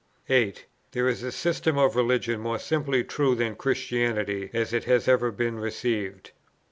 8. There is a system of religion more simply true than Christianity as it has ever been received.